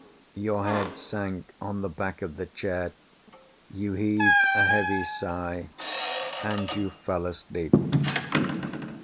Your head sank on the back of the chair—you heaved a heavy sigh—and you fell asleep.